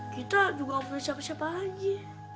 kita juga punya siapa siapa lagi